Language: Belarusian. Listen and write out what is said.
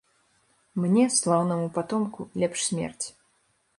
Мне, слаўнаму патомку, лепш смерць.